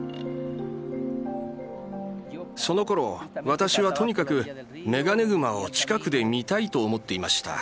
そのころ私はとにかくメガネグマを近くで見たいと思っていました。